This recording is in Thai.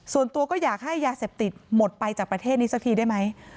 ส่วนตัวก็อยากให้ยาเสพติดหมดไปจากประเทศนี้สักทีได้ไหม